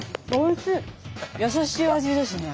優しい味ですね。